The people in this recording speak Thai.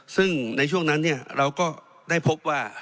ซึ่งในช่วงนั้นเราก็ได้พบว่า